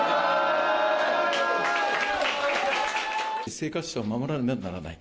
生活者を守らねばならない。